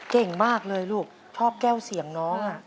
เก่งมากเลยลูกชอบแก้วเสียงน้อง